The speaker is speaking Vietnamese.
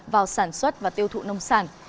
vào sản xuất và tiêu thụ nông sản